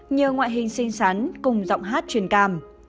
nhờ ngoại hình xinh xắn cùng giọng hát truyền cảm